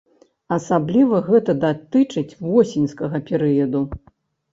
Асабліва гэта датычыць восеньскага перыяду.